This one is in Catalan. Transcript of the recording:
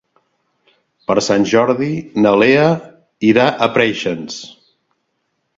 Per Sant Jordi na Lea irà a Preixens.